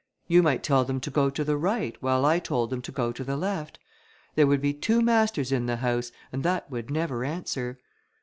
You might tell them to go to the right while I told them to go to the left; there would be two masters in the house, and that would never answer.